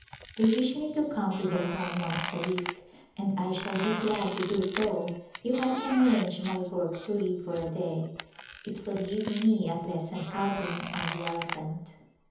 They wish me to come A Marriage Arra7igement to their home once a week and I shall be glad to do so if I can arrange my work to leave for a day j it will give me a pleasant outing on the elephant.